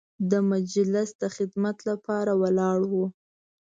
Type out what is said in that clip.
د مجلس د خدمت لپاره ولاړ وو.